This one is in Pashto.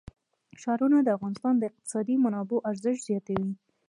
ښارونه د افغانستان د اقتصادي منابعو ارزښت زیاتوي.